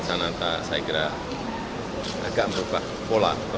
tidak lah saya kira baik